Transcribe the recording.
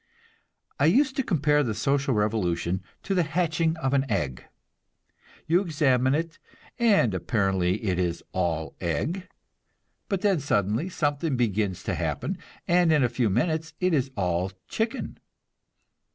I used to compare the social revolution to the hatching of an egg. You examine it, and apparently it is all egg; but then suddenly something begins to happen, and in a few minutes it is all chicken.